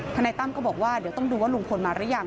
นายตั้มก็บอกว่าเดี๋ยวต้องดูว่าลุงพลมาหรือยัง